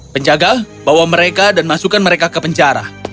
penjaga bawa mereka dan masukkan mereka ke penjara